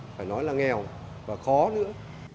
phải nói là nghèo và khó nữa